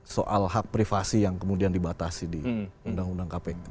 soal hak privasi yang kemudian dibatasi di undang undang kpk